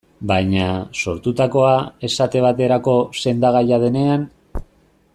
Baina, sortutakoa, esate baterako, sendagaia denean?